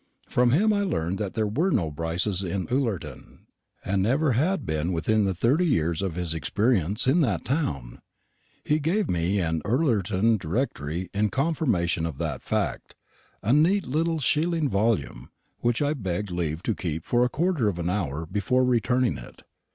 From him I learned that there were no Brices in Ullerton, and never had been within the thirty years of his experience in that town. He gave me an Ullerton directory in confirmation of that fact a neat little shilling volume, which I begged leave to keep for a quarter of an hour before returning it.